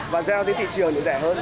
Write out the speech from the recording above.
và giao đến thị trường được rẻ hơn